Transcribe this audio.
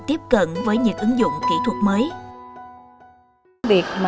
tiếp cận với những ứng dụng kỹ thuật mới